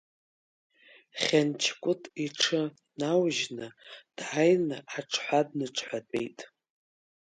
Хьанчкәыт иҽы наужьны дааины аҽҳәа дныҽҳәатәеит.